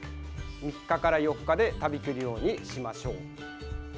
３日から４日で食べきるようにしましょう。